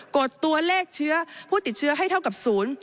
ดตัวเลขเชื้อผู้ติดเชื้อให้เท่ากับศูนย์